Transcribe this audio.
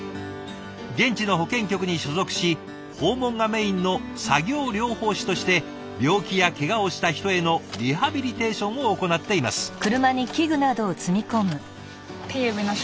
現地の保健局に所属し訪問がメインの作業療法士として病気やけがをした人へのリハビリテーションを行っています。